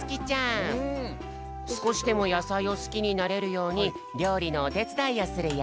すこしでもやさいをすきになれるようにりょうりのおてつだいをするよ。